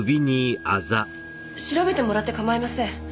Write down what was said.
調べてもらって構いません。